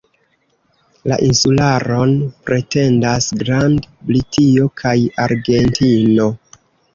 La insularon pretendas Grand-Britio kaj Argentino.